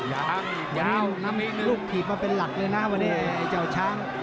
ยาวยาวลูกถีบมาเป็นหลักเลยนะวันนี้ไอ้เจ้าช้าง